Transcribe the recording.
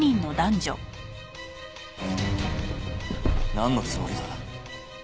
なんのつもりだ？